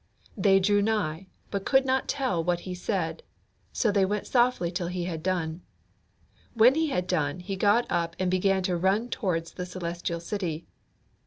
They drew nigh, but could not tell what he said; so they went softly till he had done. When he had done, he got up and began to run towards the Celestial City.